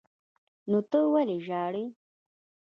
نو ته ولې ژاړې.